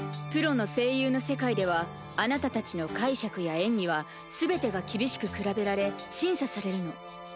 プロの声優の世界ではあなたたちの解釈や演技は全てが厳しく比べられ審査されるの。